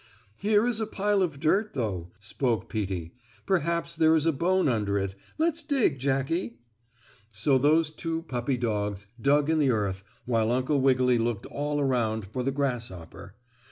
"Here is a pile of dirt, though," spoke Peetie. "Perhaps there is a bone under it. Let's dig, Jackie." So those two puppy dogs dug in the earth while Uncle Wiggily looked all around for the grasshopper.